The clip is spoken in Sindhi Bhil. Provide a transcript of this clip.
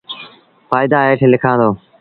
ڦآئيدآ هيٺ لکآݩ دو۔